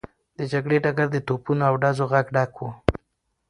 د جګړې ډګر د توپونو او ډزو غږ ډک و.